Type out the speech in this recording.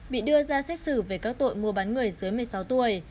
bị đưa ra xét xử về các tội mua bán người dưới một mươi sáu tuổi